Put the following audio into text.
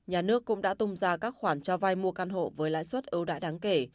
nhà nước cũng đã tung ra các khoản cho vay mua căn hộ với lãi suất ưu đãi đáng kể